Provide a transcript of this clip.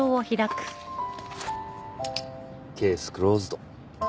ケースクローズド。